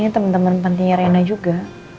temen temen panting reina juga